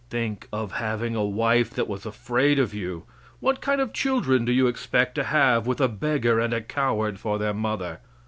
Think of having a wife that was afraid of you! What kind of children do you expect to have with a beggar and a coward for their mother?